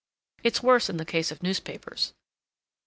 It's worse in the case of newspapers.